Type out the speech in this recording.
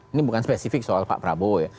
ini bukan spesifik soal pak prabowo ya